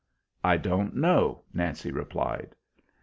"I don't know," Nancy replied.